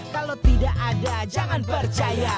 kalau tidak ada jangan percaya